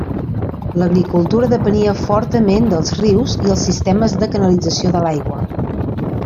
L'agricultura depenia fortament dels rius i els sistemes de canalització de l'aigua.